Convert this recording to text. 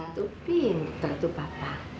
itu pinter tuh papa